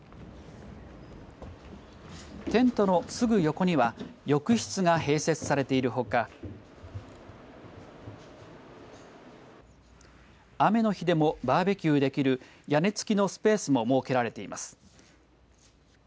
テントのすぐ横には浴室が併設されているほか雨の日でもバーベキューできる屋根付きのスペースも設けられています。